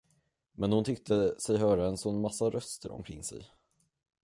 Men hon tyckte sig höra en sådan massa röster omkring sig.